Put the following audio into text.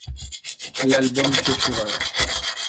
L'album fait fureur.